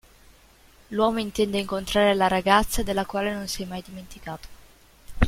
L'uomo intende incontrare la ragazza, della quale non si è mai dimenticato.